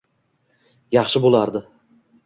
yaxshi bo‘lardi.